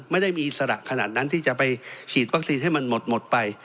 ไม่ได้มีอิสระขนาดนั้นที่จะไปฉีดวัคซีนให้มันหมดไป